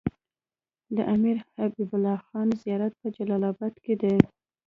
د امير حبيب الله خان زيارت په جلال اباد کی دی